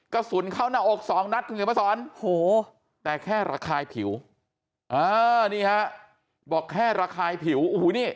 กระสุนเข้าหน้าอก๒นัดแต่แค่ระคายผิวบอกแค่ระคายผิวโอ้โหนี่